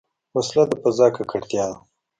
وسله د فضا ککړتیا ده